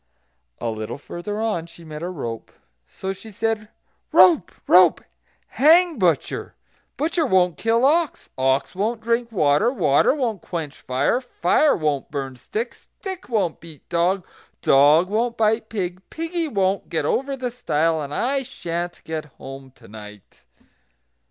A little further on she met a rope. So she said: "Rope! rope! hang butcher; butcher won't kill ox; ox won't drink water; water won't quench fire; fire won't burn stick; stick won't beat dog; dog won't bite pig; piggy won't get over the stile; and I sha'n't get home to night."